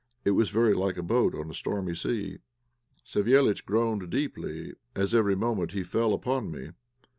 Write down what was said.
It was very like a boat on a stormy sea. Savéliitch groaned deeply as every moment he fell upon me.